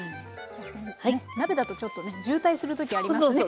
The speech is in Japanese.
確かにね鍋だとちょっとね渋滞する時ありますよね。